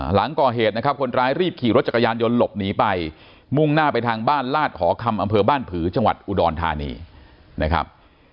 หลังก่อเหตุนะครับคนร้ายรีบขี่รถจักรยานยนต์หลบหนีไปมุ่งหน้าไปทางบ้านลาดหอคำอำเภอบ้านผือจังหวัดอุดรธานีนะครับ